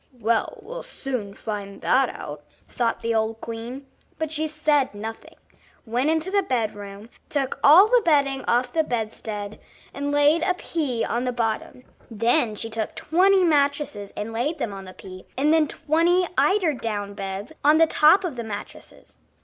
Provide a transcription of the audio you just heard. "Well, we'll soon find that out," thought the old queen. But she said nothing, went into the bed room, took all the bedding off the bedstead, and laid a pea on the bottom; then she took twenty mattresses and laid them on the pea, and then twenty eider down beds on top of the mattresses.